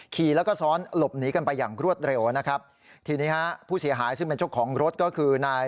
ขี่แล้วก็ซ้อนหลบหนีกันไปอย่างรวดเร็วนะครับทีนี้ฮะผู้เสียหายซึ่งเป็นเจ้าของรถก็คือนาย